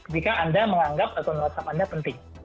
jika anda menganggap akun whatsapp anda penting